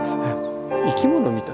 生き物みたい。